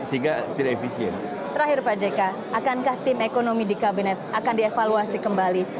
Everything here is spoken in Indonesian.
sehingga tidak efisien terakhir pak jk akankah tim ekonomi di kabinet akan dievaluasi kembali